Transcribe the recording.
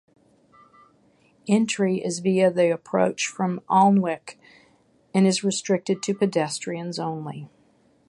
Entry is via the approach from Alnwick, and is restricted to pedestrians only.